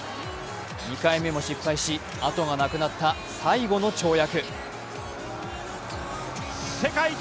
２回目も失敗し、あとがなくなった最後の跳躍。